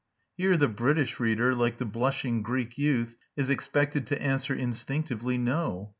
Here the British reader, like the blushing Greek youth, is expected to answer instinctively, No!